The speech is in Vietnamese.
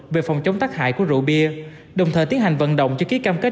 về phòng chống tác hại của rượu bia đồng thời tiến hành vận động cho ký cam kết